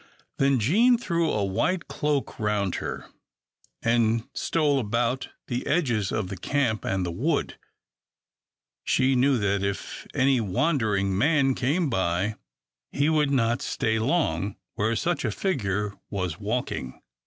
Then Jean threw a white cloak round her, and stole about the edges of the camp and the wood. She knew that if any wandering man came by, he would not stay long where such a figure was walking.